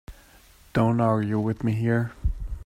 Don't argue with me here.